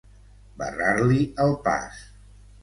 Barrar-li el pas.